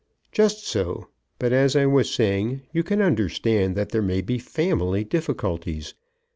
"Just so; but as I was saying, you can understand that there may be family difficulties.